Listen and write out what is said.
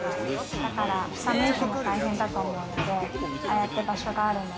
だから寒い日も大変だと思うので、ああやって場所がある。